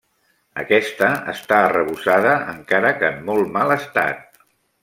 Aquesta està arrebossada, encara que en molt mal estat.